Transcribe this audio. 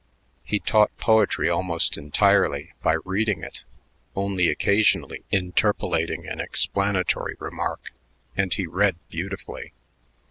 He taught poetry almost entirely by reading it, only occasionally interpolating an explanatory remark, and he read beautifully.